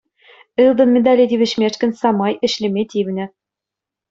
Ылтӑн медале тивӗҫмешкӗн самай ӗҫлеме тивнӗ.